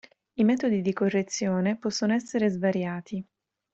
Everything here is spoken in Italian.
I metodi di correzione possono essere svariati.